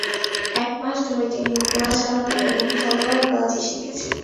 এক মাস ধরে তিনি ঘোড়া চালানো এবং তলোয়ারবাজি শিখছেন।